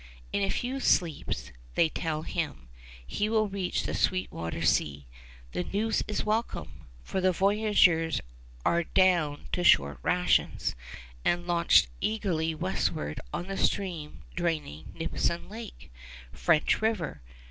In a few sleeps they tell him he will reach the Sweet Water Sea. The news is welcome; for the voyageurs are down to short rations, and launch eagerly westward on the stream draining Nipissing Lake French River.